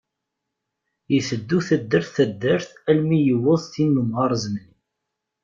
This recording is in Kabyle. Iteddu taddart taddart armi yewweḍ tin n umɣar azemni.